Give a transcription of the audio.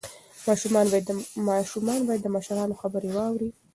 ماشومان باید د مشرانو خبرې واوري.